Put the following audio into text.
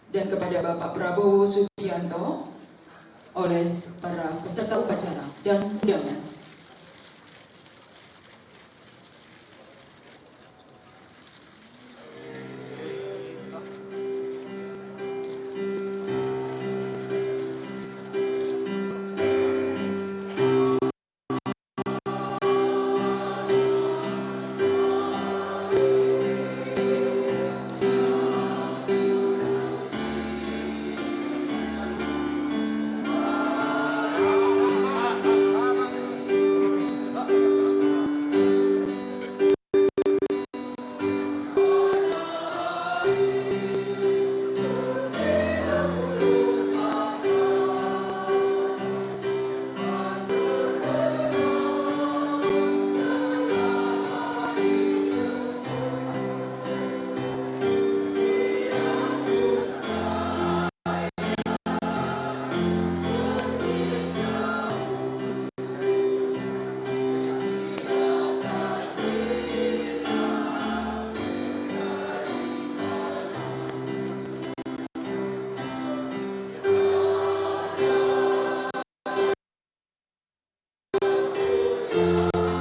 dan kepada bapak prabowo subianto oleh para peserta upacara dan undangan